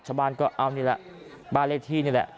ชาวบ้านก็เอานี่แหละบ้านเลขที่นี่แหละ